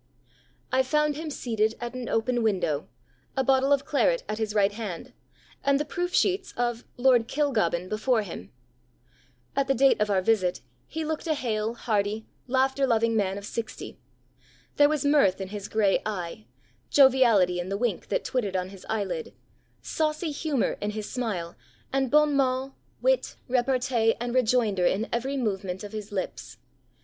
] "I found him seated at an open window, a bottle of claret at his right hand, and the proof sheets of Lord Kilgobbin before him.... At the date of our visit he looked a hale, hearty, laughter loving man of sixty. There was mirth in his gray eye, joviality in the wink that twittered on his eyelid, saucy humour in his smile, and bon mot, wit, repartee, and rejoinder in every movement of his lips.